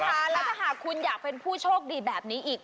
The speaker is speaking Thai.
แล้วถ้าหากคุณอยากเป็นผู้โชคดีแบบนี้อีก